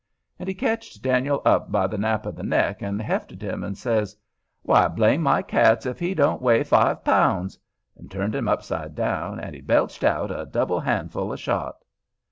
And he ketched Dan'l up by the nap of the neck, and hefted him, and says, "Why blame my cats if he don't weigh five pounds!" and turned him upside down and he belched out a double handful of shot.